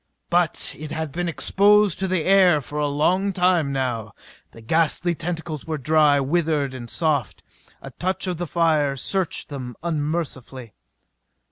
But it had been exposed to the air for a long time now. The ghastly tentacles were dry; withered and soft. A touch of the fire seared them unmercifully.